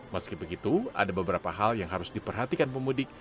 meski begitu ada beberapa hal yang harus diperhatikan pemudik